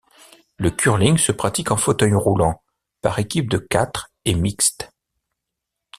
Le curling se pratique en fauteuil roulant, par équipes de quatre et mixtes.